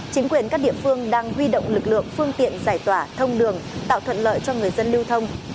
chính quyền các địa phương đang huy động lực lượng phương tiện giải tỏa thông đường tạo thuận lợi cho người dân lưu thông